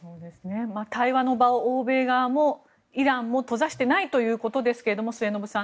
対話の場を欧米側もイランも閉ざしていないということですが末延さん